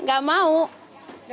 nggak maunya kenapa